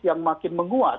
yang makin menguat